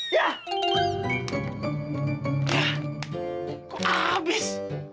yah kok abis